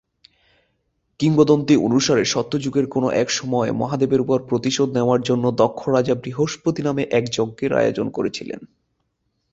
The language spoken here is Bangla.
কিংবদন্তি অনুসারে, সত্য যুগের কোনও এক সময়ে মহাদেবের উপর প্রতিশোধ নেওয়ার জন্য দক্ষ রাজা বৃহস্পতি নামে এক যজ্ঞের আয়োজন করেছিলেন।